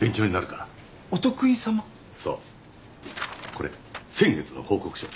そうこれ先月の報告書。